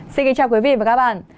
xin kính chào quý vị và các bạn